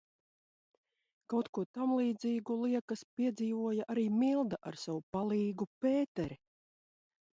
"Kaut ko tamlīdzīgu, liekas, piedzīvoja arī Milda ar savu "palīgu" Pēteri."